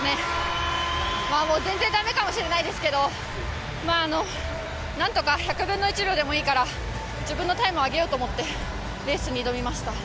全然駄目かもしれないですけどなんとか１００分の１秒でもいいから自分のタイムを上げようと思ってレースに挑みました。